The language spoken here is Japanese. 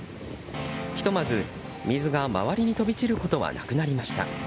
ひとまず、水が周りに飛び散ることはなくなりました。